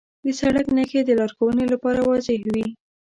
د سړک نښې د لارښوونې لپاره واضح وي.